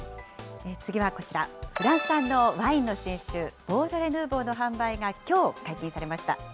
次はこちら、フランス産のワインの新酒、ボージョレ・ヌーボーの販売がきょう、解禁されました。